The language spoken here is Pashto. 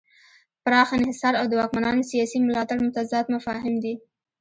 پراخ انحصار او د واکمنانو سیاسي ملاتړ متضاد مفاهیم دي.